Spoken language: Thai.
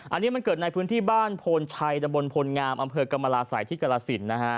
อันนี้มันเกิดในพื้นที่บ้านโพนชัยดำบลพลงามอำเภอกรรมราศัยที่กรสินนะฮะ